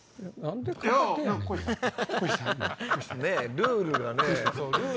ルールがね。